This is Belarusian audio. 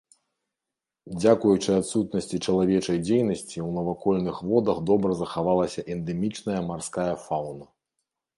Дзякуючы адсутнасці чалавечай дзейнасці ў навакольных водах добра захавалася эндэмічная марская фаўна.